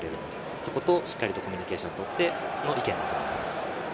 そことしっかりコミュニケーションをとって、ということだと思います。